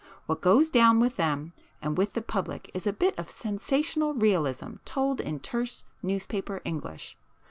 What goes down with them and with the public is a bit of sensational realism told in terse newspaper English.